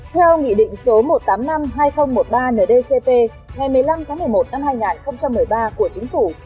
theo nghị định số một trăm tám mươi năm hai nghìn một mươi ba ndcp ngày một mươi năm tháng một mươi một năm hai nghìn một mươi ba của chính phủ